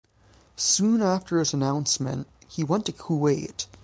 Soon after his announcement he went to Kuwait.